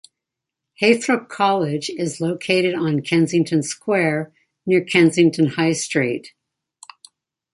Heythrop College is located on Kensington Square, near Kensington High Street.